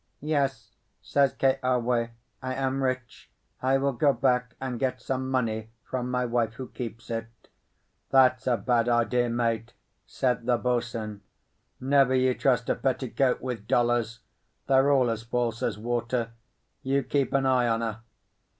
"Yes," says Keawe, "I am rich; I will go back and get some money from my wife, who keeps it." "That's a bad idea, mate," said the boatswain. "Never you trust a petticoat with dollars. They're all as false as water; you keep an eye on her."